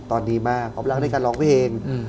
ตอนนี้มากอ๊อฟรักในการร้องเพลง